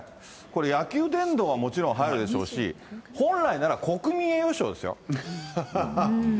これ、野球殿堂はもちろん入るでしょうし、本来なら国民栄誉賞ですよ。